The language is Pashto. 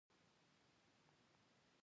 ایا ستاسو لاسونه به مینځل شوي وي؟